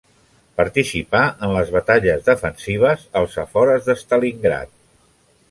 Participà en les batalles defensives als afores de Stalingrad.